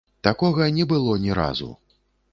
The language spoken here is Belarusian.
Такога не было ні разу!